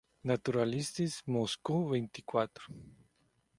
Naturalistes Moscou" xxiv.